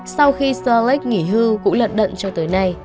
sau khi sir lake nghỉ hư cũng lận đận cho tới nay